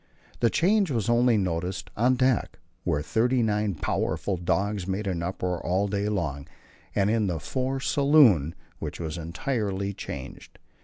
The change was only noticed on deck, where thirty nine powerful dogs made an uproar all day long, and in the fore saloon, which was entirely changed.